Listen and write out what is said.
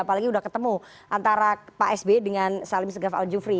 apalagi udah ketemu antara pak sb dengan salim seghaf al jufri